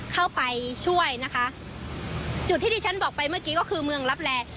เข้าไปช่วยนะคะจุดที่ที่ฉันบอกไปเมื่อกี้ก็คือเมืองลับแล